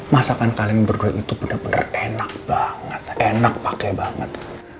masakan kalian berdua itu bener bener enak banget enak pake banget